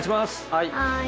はい。